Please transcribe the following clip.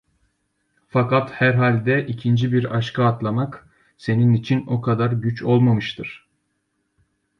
Fakat herhalde ikinci bir aşka atlamak, senin için o kadar güç olmamıştır.